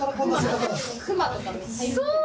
そう。